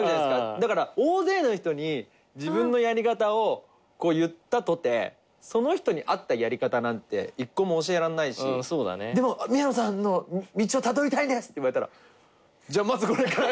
だから大勢の人に自分のやり方を言ったとてその人に合ったやり方なんて一個も教えらんないしでも「宮野さんの道をたどりたいんです」って言われたら「じゃあまずこれから」